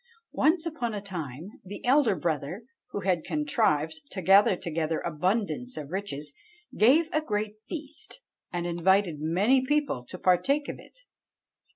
"Once upon a time the elder brother, who had contrived to gather together abundance of riches, gave a great feast, and invited many people to partake of it.